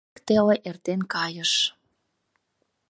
Ик теле эртен кайыш.